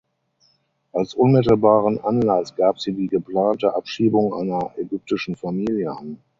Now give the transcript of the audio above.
Als unmittelbaren Anlass gab sie die geplante Abschiebung einer ägyptischen Familie an.